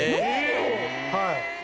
はい。